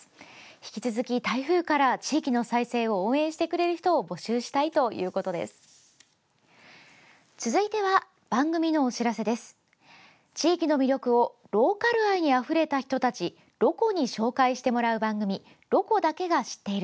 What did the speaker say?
引き続き、台風から地域の再生を応援してくれる人を募集したいということです。